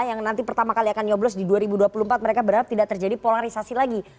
yang nanti pertama kali akan nyoblos di dua ribu dua puluh empat mereka berharap tidak terjadi polarisasi lagi